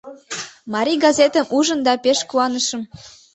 Марий газетым ужым да пеш куанышым».